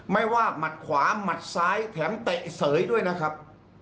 ไม่ว่าหมัดขวาหมัดซ้ายแถมเตะเสยด้วยนะครับ